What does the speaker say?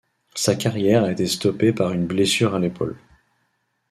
Sa carrière a été stoppée par une blessure à l'épaule.